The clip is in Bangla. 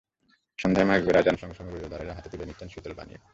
সন্ধ্যায় মাগরিবের আজানের সঙ্গে সঙ্গে রোজাদারেরা হাতে তুলে নিচ্ছেন শীতল পানীয়।